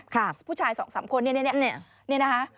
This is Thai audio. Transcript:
ค่ะผู้ชายสองสามคนนี่นี่นะฮะ